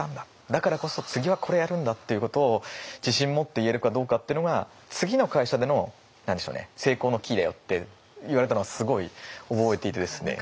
だからこそ次はこれやるんだっていうことを自信持って言えるかどうかっていうのが次の会社での成功のキーだよって言われたのはすごい覚えていてですね。